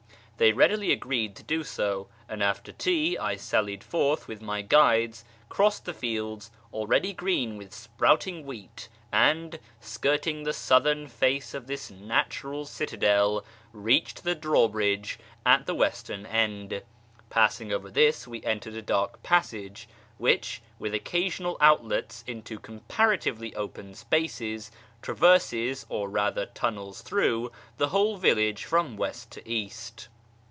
They readily agreed to do so, and after tea I sallied forth with my guides, crossed the fields, already green with sprouting wheat, and, skirting the southern face of this natural citadel, reached the draw bridge at the western end. Passing over this, we entered a dark passage, which, with occasional outlets into com paratively open spaces, traverses, or rather tunnels through, the whole village from west to east.